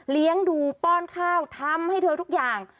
เลี้ยงดูป้อนข้าวทำให้เธอทุกอย่าง